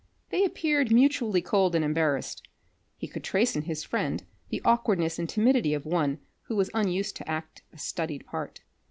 They appeared mutually cold and embarassed. He could trace in his friend the aukwardness and timidity of one who was unused to act a studied part.